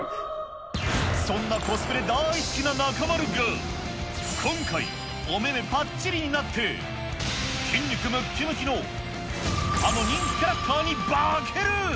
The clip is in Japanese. そんなコスプレだーい好きな中丸が、今回、お目めぱっちりになって、筋肉ムッキムキのあの人気キャラクターに化ける。